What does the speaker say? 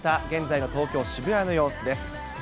現在の東京・渋谷の様子です。